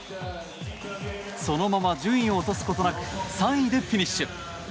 そのまま順位を落とすことなく３位でフィニッシュ。